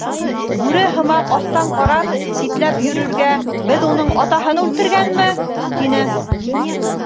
Бүре һымаҡ аҫтан ҡарап, ситләп йөрөргә, беҙ уның атаһын үлтергәнме? — тине.